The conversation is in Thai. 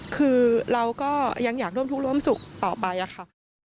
คือเราก็ยังอยากร่วมทุกข์ร่วมสุขต่อไปค่ะ